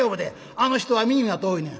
あの人は耳が遠いねん」。